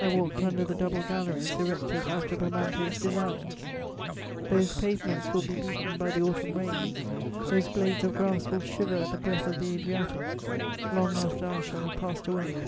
I walked under the double galleries erected after Bramante's designs. Those pavements will be beaten by the autumn rains, those blades of grass will shiver at the breath of the Adriatic long after I shall have passed away.